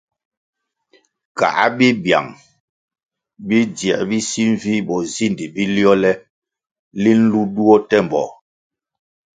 Kā bibyang bidzie bi si nvih bozindi bi liole linʼ nlu duo temboh.